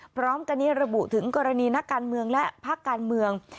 พร้อมกันนี้ระบุถึงกรณีนักการเมืองและภาคการเมือง